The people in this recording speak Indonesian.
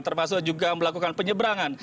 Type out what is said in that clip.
termasuk juga melakukan penyeberangan